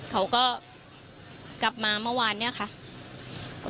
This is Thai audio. เขาก็กลับมาเมื่อวานเนี่ยค่ะ